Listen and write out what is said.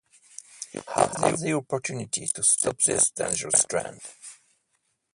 You have the opportunity to stop this dangerous trend!